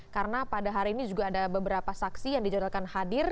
karena pada hari ini juga ada beberapa saksi yang dijadalkan hadir